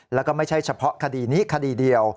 แล้วก็ไม่ใช่เฉพาะคดีนี้คดีเดียว